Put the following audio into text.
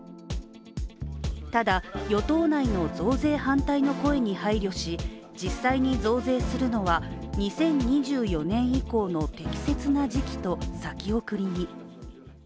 ただ、与党内の増税反対の声に配慮し実際に増税するのは２０２４年以降の適切な時期と先送りに。